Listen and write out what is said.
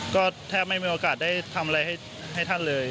ก็แทบไม่มีโอกาสได้ทำอะไรให้ท่านเลย